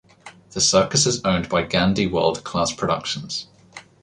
The circus is owned by Gandey World Class Productions.